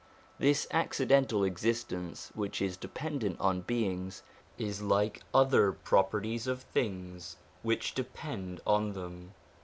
This accidental existence, which is dependent on beings, is like other properties of things which depend on them.